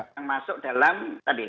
yang masuk dalam tadi